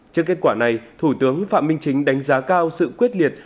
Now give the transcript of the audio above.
trước kết quả này thủ tướng phạm minh chính đánh giá cao sự quyết liệt